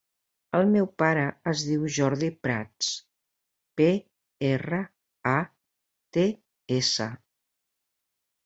El meu pare es diu Jordi Prats: pe, erra, a, te, essa.